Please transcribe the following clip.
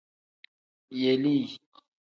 Yelii.